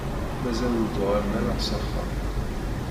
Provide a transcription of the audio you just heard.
Mazal ur d-uɣalen ara s axxam.